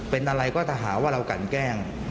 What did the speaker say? เป็นอะไรก็ถ้าหาว่าเรากันแกล้ง